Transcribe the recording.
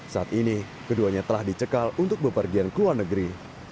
saat ini keduanya telah dicekal untuk bepergian keluar negeri